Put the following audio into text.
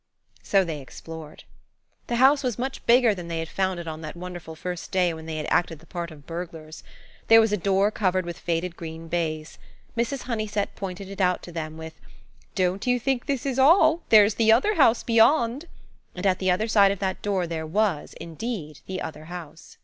So they explored. The house was much bigger than they had found it on that wonderful first day when they had acted the part of burglars. There was a door covered with faded green baize. Mrs. Honeysett pointed it out to them with, "Don't you think this is all: there's the other house beyond;" and at the other side of that door there was, indeed, the other house.